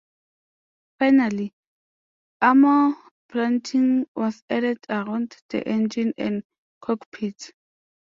Finally, armour plating was added around the engine and cockpits.